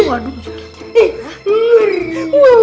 waduh nunjukin diri